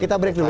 kita break dulu